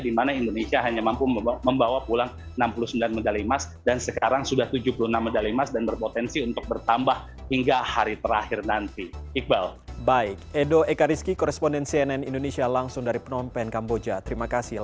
dimana indonesia hanya mampu membawa pulang enam puluh sembilan medali emas dan sekarang sudah tujuh puluh enam medali emas dan berpotensi untuk bertambah hingga hari terakhir nanti